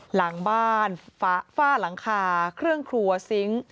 หลังบ้านฝ้าหลังคาเครื่องครัวซิงค์